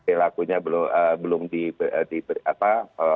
perilakunya belum diberi apa